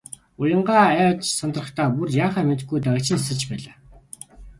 Уянгаа айж сандрахдаа бүр яахаа мэдэхгүй дагжин чичирч байлаа.